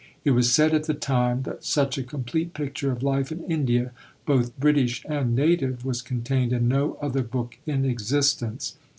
It was said at the time that such a complete picture of life in India, both British and native, was contained in no other book in existence.